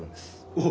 おっ